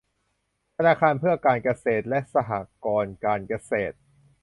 ธนาคารเพื่อการเกษตรและสหกรณ์การเกษตร